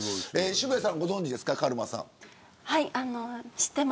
渋谷さん、ご存じですかカルマさん。